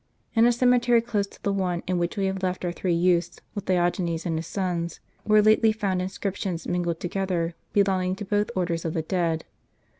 In a cemetery close to the one in which we have left our three youths, with Diogenes and his sons,* were lately found inscriptions mingled together, belonging to both orders of the dead.